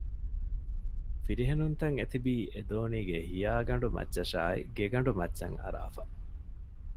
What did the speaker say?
ފިރިހެނުންތައް އެތިބީ އެދޯނީގެ ހިޔާގަނޑު މައްޗަށާއި ގެގަނޑުމައްޗަށް އަރާފަ